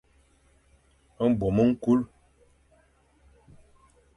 Mbom ñkul.